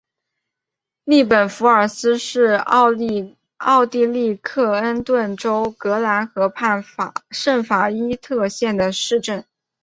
利本弗尔斯是奥地利克恩顿州格兰河畔圣法伊特县的一个市镇。